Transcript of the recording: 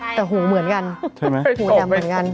แต่หูเหมือนกันหูแดมเหมือนกันใช่ไหมเออพอไหม